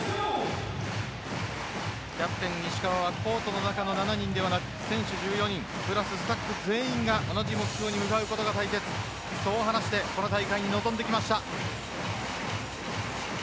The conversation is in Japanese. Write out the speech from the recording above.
キャプテン石川はコートの中の７人ではなく選手１４人プラス、スタッフ全員が同じ目標に向かうことが大切そう話してこの大会に臨んできました。